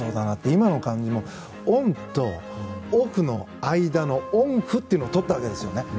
今の感じも、オンとオフの間のオンフというのをとったわけですね。